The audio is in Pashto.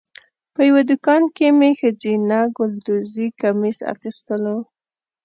په یوه دوکان کې مې ښځینه ګلدوزي کمیس اخیستلو.